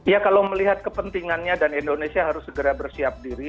ya kalau melihat kepentingannya dan indonesia harus segera bersiap diri